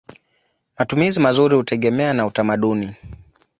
Matumizi mazuri hutegemea na utamaduni.